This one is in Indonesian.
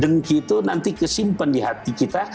dengki itu nanti kesimpan di hati kita